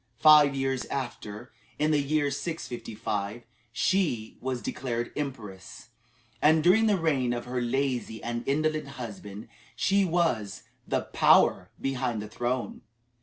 Five years after, in the year 655, she was declared Empress, and during the reign of her lazy and indolent husband she was "the power behind the throne."